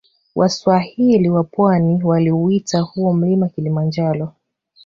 Waswahili wa pwani waliuita huo mlima kilimanjaro